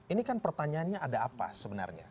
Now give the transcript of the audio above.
ini kan pertanyaannya ada apa sebenarnya